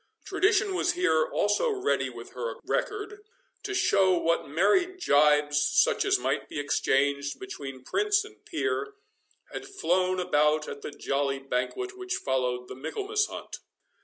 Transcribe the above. Tradition was here also ready with her record, to show what merry gibes, such as might be exchanged between prince and peer, had flown about at the jolly banquet which followed the Michaelmas hunt.